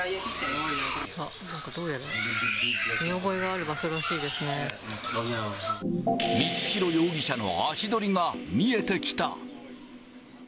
どうやら、光弘容疑者の足取りが見えてきた。